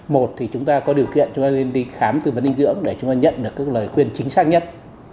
một thì chúng ta có điều kiện chúng ta nên đi khám tư vấn dinh dưỡng để chúng ta nhận được các lời khuyên chính xác nhất